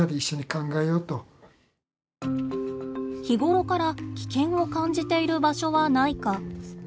日頃から危険を感じている場所はないか。